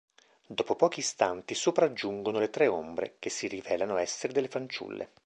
Dopo pochi istanti sopraggiungono le tre ombre, che si rivelano essere delle fanciulle.